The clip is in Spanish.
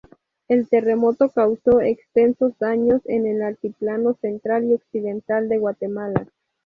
El terremoto causó extensos daños en el altiplano central y occidental de Guatemala.